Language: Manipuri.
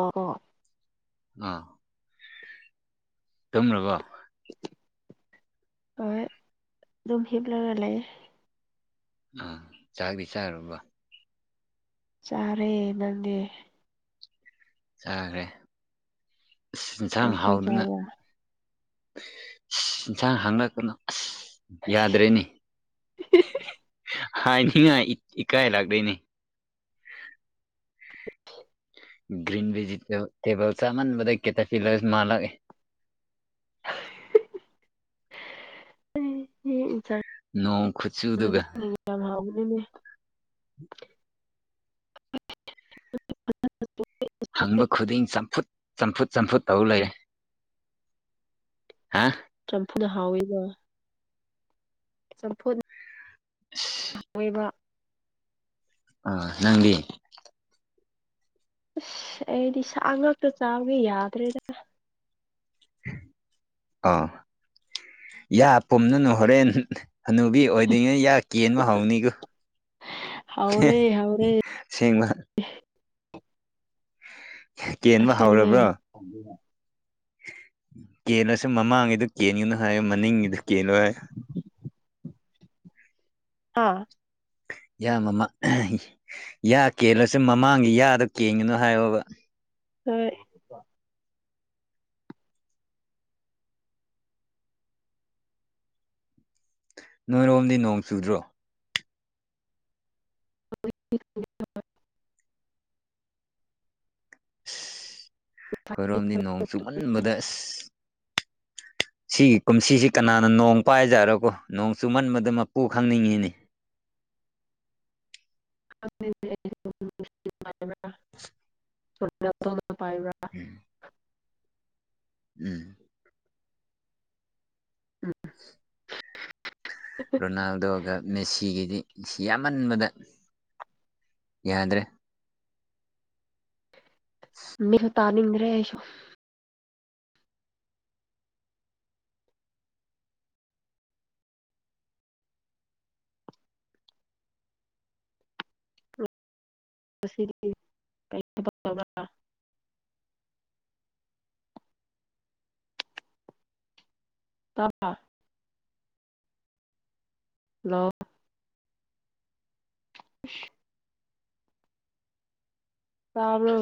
ꯑ ꯑ ꯑꯥ ꯊꯝꯂꯕꯣ ꯍꯣꯏ ꯝꯁꯤꯕ ꯂꯔ ꯂ ꯂꯩꯦ ꯑ ꯆꯥꯛꯕꯤꯁꯥꯔꯔꯕ ꯆꯥꯔꯦ ꯅꯪꯗꯤꯦ ꯆꯥꯈ꯭ꯔꯦ ꯀꯩ ꯏꯟꯁꯥꯡ ꯍꯥꯎꯗꯨꯅ ꯆꯥꯕ꯭ꯔꯥ ꯏꯟꯁꯥꯡ ꯍꯥꯡꯉꯛꯀꯅꯣ ꯑꯁ ꯌꯥꯗ꯭ꯔꯦꯅꯤ ꯍꯥꯏꯅꯤꯡꯉꯥꯏ ꯏꯀꯥꯏ ꯂꯥꯛꯗꯣꯏꯅꯦ [unintelligible] ꯭ꯔꯤꯟꯚꯦꯖꯤꯇꯦꯕ ꯇꯦꯕꯜ ꯁꯥꯃꯅ ꯃ ꯀꯦꯇ ꯄꯤꯂꯔ ꯃꯥꯂꯒ ꯏ ꯆ ꯅꯣꯡ ꯈꯨꯠꯆꯨꯗꯨꯒ ꯀ ꯎꯅꯦꯅꯦ ꯍꯪꯕ ꯈꯨꯗꯤꯡ ꯆꯝꯐꯨꯠ ꯆꯝꯐꯨꯠ ꯆꯝꯐꯨ ꯇꯧ ꯂꯩꯔꯦ ꯍꯥ ꯆ꯭ꯔꯝꯐꯨꯅ ꯍꯥꯎꯋꯤꯕ ꯆꯝꯐꯨꯠ ꯑꯁ꯫ ꯑꯣꯏꯕ ꯑꯥ ꯅꯪꯗꯤ ꯑꯁ ꯑꯩꯗꯤ ꯏꯁꯥ ꯉꯥꯛꯇ ꯆꯥꯎꯒꯦ ꯌꯥꯗ꯭ꯔꯦꯗꯅ ꯑꯥ ꯌꯥ ꯄꯨꯝꯅꯅꯨ ꯍꯣꯔꯦꯟ ꯍꯅꯨꯕꯤ ꯑꯣꯏꯗꯣꯏꯔꯤꯉꯩ ꯌꯥ ꯀꯦꯟꯕ ꯍꯧꯥꯎꯅꯤꯒꯨ ꯍꯥꯎꯅꯦꯦ ꯍꯧꯥꯎꯔꯦ ꯀꯦꯟꯕ ꯑꯁꯦ ꯃꯅꯦ ꯍꯧꯔꯕ꯭ꯔꯣ ꯀꯦꯜꯂꯁꯨ ꯃꯃꯥꯡꯉꯩꯗꯨ ꯀꯦꯟꯉꯨꯅꯨ ꯍꯥꯏꯌꯨ ꯃꯅꯤꯡꯉꯤꯗꯨ ꯀꯦꯜꯂꯣ ꯍꯥꯏ ꯍꯥꯥ ꯏ ꯃꯃꯥ ꯌꯥ ꯀꯦꯜꯂꯁꯦ ꯃꯃꯥꯡꯒꯤ ꯌꯥꯗꯣ ꯀꯦꯡꯉꯤꯅꯨ ꯍꯥꯏꯌꯣꯕ ꯍꯣꯏ ꯅꯣꯏꯔꯣꯝꯗꯤ ꯅꯣꯡ ꯆꯨꯗ꯭ꯔꯣ [unintelligible] ꯈꯣꯏꯔꯣꯝꯗꯤ ꯅꯣꯡ ꯆꯨꯝꯃꯟꯕꯗ ꯑꯁ ꯁꯤꯒꯤ ꯀꯨꯝꯁꯤꯁꯤ ꯀꯅꯥꯅ ꯅꯣꯡ ꯄꯥꯏꯖꯥꯔꯣꯀꯣ ꯅꯣꯡ ꯆꯨ ꯃꯟꯕꯗ ꯃꯄꯨ ꯈꯪꯅꯤꯡꯉꯤꯅꯤ [unintelligible] ꯕ ꯎꯝ ꯎꯝ ꯎꯝ ꯔꯣꯅꯥꯜꯗꯣꯒ ꯃꯦꯁꯤꯒꯤꯗꯤ ꯌꯥꯝꯃꯟꯕꯗ ꯌꯥꯗ꯭ꯔꯦ ꯃꯁꯨ ꯇꯥꯅꯤꯡꯗ꯭ꯔꯦꯁꯨ ꯁꯤ ꯇꯕ ꯍꯜꯂꯣ ꯍꯁ ꯇꯔ